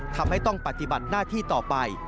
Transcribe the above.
ทำให้ต้องปฏิบัติหน้าที่ต่อไป